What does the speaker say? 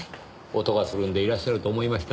音がするんでいらっしゃると思いました。